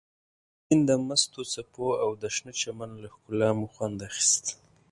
د سیند د مستو څپو او د شنه چمن له ښکلا مو خوند اخیست.